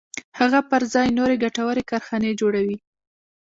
هغه پر ځای یې نورې ګټورې کارخانې جوړوي